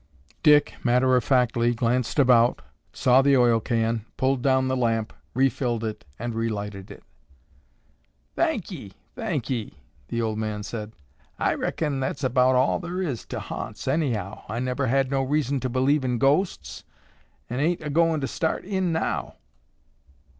Dick, matter of factly, glanced about, saw the oil can, pulled down the lamp, refilled it, and relighted it. "Thank ye! Thank ye!" the old man said. "I reckon that's about all thar is to hants anyhow. I never had no reason to believe in ghosts an' ain't a goin' to start in now.